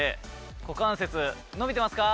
股関節伸びてますか？